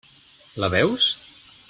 La veus?